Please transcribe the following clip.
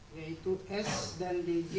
yaitu s dan dg